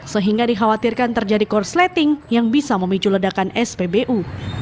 sehingga dikhawatirkan terjadi korsleting yang bisa memicu ledakan spbu